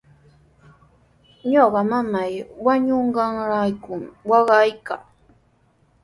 Ñuqa mamaa wañunqanraykumi waqaykaa.